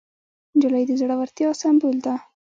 نجلۍ د زړورتیا سمبول ده.